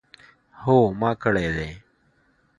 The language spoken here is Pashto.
هو ما کړی دی